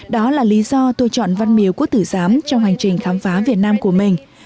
đó là lý do tôi chọn văn miếu quốc tử giám trong hành trình khám phá việt nam của mình